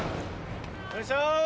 お願いします！